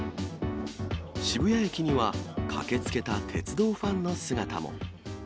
渋谷駅には、駆けつけた鉄道ファンの姿も。